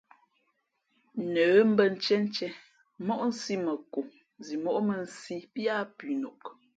Nə̌ mbᾱ ntíéntīē móʼ nsī mα ko zimóʼ mᾱ nsí píá pʉnok.